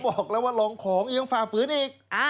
บอกแล้วว่าลองของยังฝ่าฝืนอีก